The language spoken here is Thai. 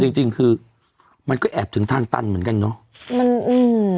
จริงจริงคือมันก็แอบถึงทางตันเหมือนกันเนอะมันอืม